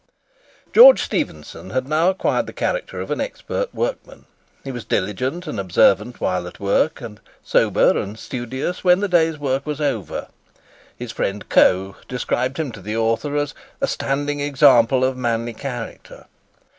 George Stephenson had now acquired the character of an expert workman. He was diligent and observant while at work, and sober and studious when the day's work was over. His friend Coe described him to the author as "a standing example of manly character."